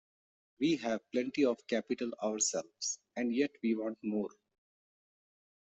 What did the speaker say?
We have plenty of capital ourselves, and yet we want more.